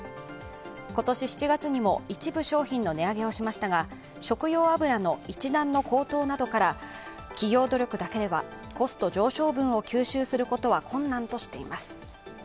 今年７月にも一部商品の値上げをしましたが食用油の一段の高騰などから企業努力だけではコスト上昇分を吸収することは困難としています。